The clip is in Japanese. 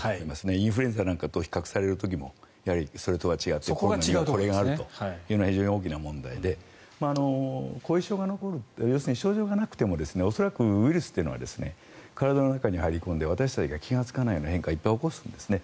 インフルエンザなんかと比較される時も、それとは違ってこれがあるというのは非常に大きな問題で後遺症が残る要するに、症状がなくても恐らくウイルスというのは体の中に入り込んで、私たちが気がつかないような変化をいっぱい起こすんですね。